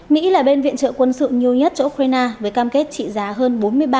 mỹ là bên viện trợ quân sự nhiều nhất cho ukraine với cam kết trị giá hơn bốn mươi ba